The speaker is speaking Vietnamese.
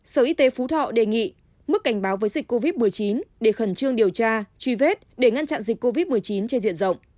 sở y tế phú thọ đề nghị mức cảnh báo với dịch covid một mươi chín để khẩn trương điều tra truy vết để ngăn chặn dịch covid một mươi chín trên diện rộng